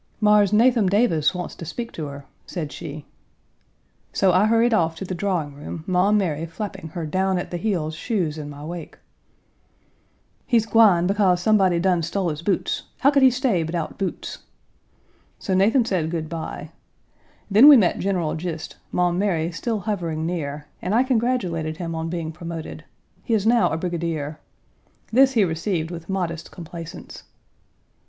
"Mars Nathum Davis wants to speak to her," said she. So I hurried off to the drawing room, Maum Mary flapping her down at the heels shoes in my wake. "He's gwine bekase somebody done stole his boots. How could he stay bedout boots?" So Nathan said good by. Then we met General Gist, Maum Mary still hovering near, and I congratulated him on being promoted. He is now a brigadier. This he received with modest complaisance.